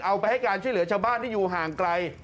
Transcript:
เอาไปให้การช่วยเหลือชาวบ้านที่อยู่ห่างไกล